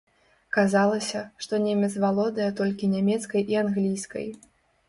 Казалася, што немец валодае толькі нямецкай і англійскай.